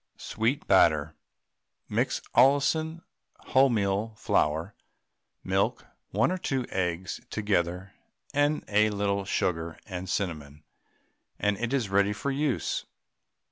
SWEET BATTER. Mix Allinson wholemeal flour, milk, 1 or 2 eggs together, and a little sugar and cinnamon, and it is ready for use.